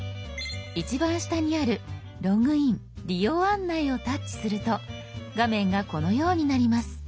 一番下にある「ログイン・利用案内」をタッチすると画面がこのようになります。